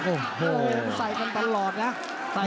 โอ้โหใส่กันตลอดนะ